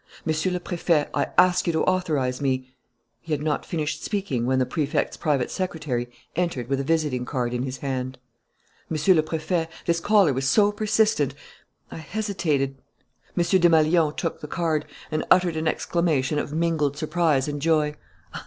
Monsieur le Préfet, I ask you to authorize me " He had not finished speaking when the Prefect's private secretary entered with a visiting card in his hand. "Monsieur le Préfet, this caller was so persistent.... I hesitated " M. Desmalions took the card and uttered an exclamation of mingled surprise and joy.